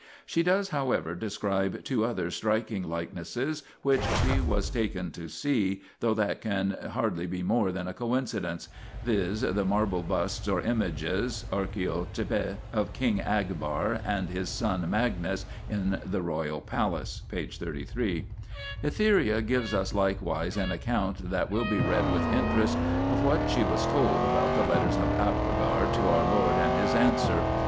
She does, however, describe two other striking like nesses which she was taken to see, though that can hardly be more than a coincidence viz. the marble busts or images (archiotepa) of King Abgar and his son Magnus 1 in the royal palace (p. 33). Etheria gives us likewise an account that will be read with interest of what she was told about the letters of Abgar to our Lord and His answer.